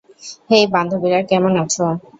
হেই বান্ধবীরা, কেমন আছো?